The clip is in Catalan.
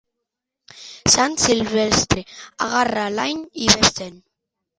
Sant Silvestre, agarra l'any i ves-te'n.